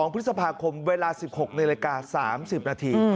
๒๒พฤษภาคมเวลา๑๖ในรายการ๓๐นาที